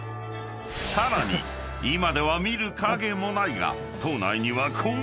［さらに今では見る影もないが］